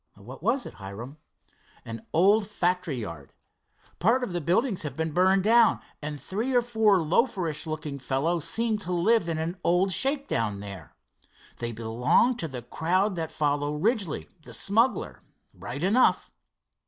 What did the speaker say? "What was it, Hiram?" "An old factory yard. Part of the buildings have been burned down, and three or four loaferish looking fellows seem to live in an old shake down there. They belong to the crowd of that fellow, Ridgely, the smuggler, right enough."